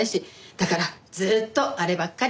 だからずーっとあればっかり。